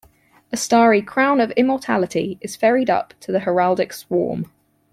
A starry Crown of Immortality is ferried up to the heraldic swarm.